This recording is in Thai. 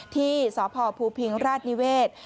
ที่สพภูพิงราชนิเวศ